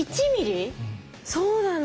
そうなんだ。